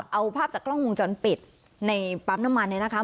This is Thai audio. เอาภาพจากกล้องวงจรปิดในปั๊มน้ำมันเนี่ยนะคะ